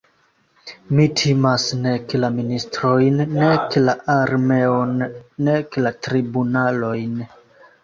Mi timas nek la ministrojn, nek la armeon, nek la tribunalojn.